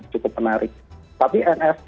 cukup menarik tapi nft